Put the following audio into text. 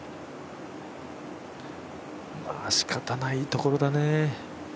ああしかたないところだね。